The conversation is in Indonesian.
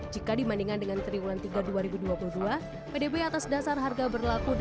jika dibandingkan dengan triwulan tiga dua ribu dua puluh dua pdb atas dasar harga berlaku